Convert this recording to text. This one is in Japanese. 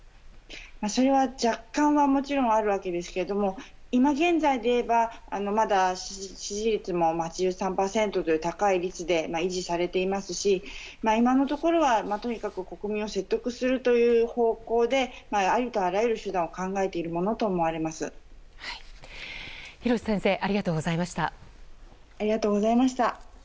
それは若干はもちろんあるわけですけれども今現在でいえばまだ支持率も８３％という高い率で今のところはとにかく国民を説得するという方向でありとあらゆる手段を廣瀬先生ありがとうございました。